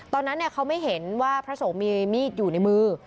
ตอนนั้นเขาไม่เห็นว่าพระสงฆ์มีมีดอยู่ในมือ